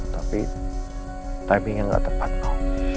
tapi typingnya gak tepat mau